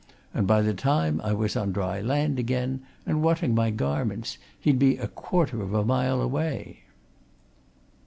And by the time I was on dry land again, and wanting my garments, he'd be a quarter of a mile away!"